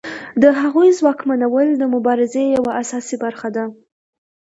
د هغوی ځواکمنول د مبارزې یوه اساسي برخه ده.